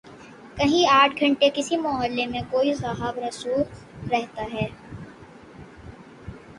کہیں آٹھ گھنٹے کسی محلے میں کوئی صاحب رسوخ رہتا ہے۔